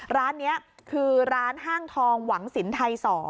ร้านนี้คือร้านห้างทองหวังสินไทย๒